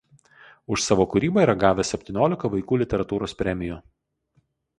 Už savo kūrybą yra gavęs septyniolika vaikų literatūros premijų.